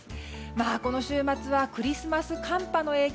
この週末はクリスマス寒波の影響